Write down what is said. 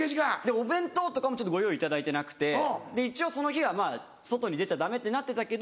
お弁当とかもちょっとご用意いただいてなくて一応その日はまぁ外に出ちゃダメってなってたけど